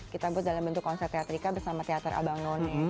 kita buat dalam bentuk konser teaterika bersama teater abang lone